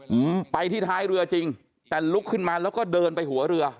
อืมไปที่ท้ายเรือจริงแต่ลุกขึ้นมาแล้วก็เดินไปหัวเรือ